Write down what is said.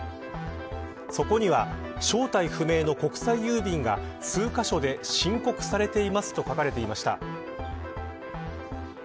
そこには、正体不明の国際郵便が数カ所で申告されていますと書かれていました。